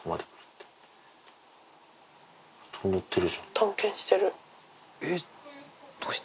探検してる。